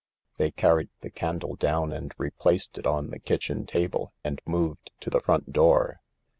They carried the candle down and replaced it on the kitchen table and moved to the front door.